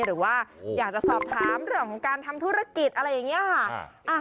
หรือว่าอยากจะสอบถามเรื่องของการทำธุรกิจอะไรอย่างนี้ค่ะ